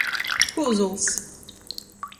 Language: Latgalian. Kūzuls.